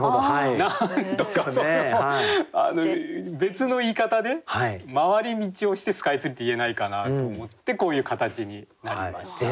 なんとかそれを別の言い方で回り道をして「スカイツリー」って言えないかなと思ってこういう形になりました。